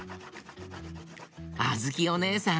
あづきおねえさん